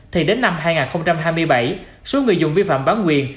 thì đến năm hai nghìn hai mươi bảy số người dùng vi phạm bán quyền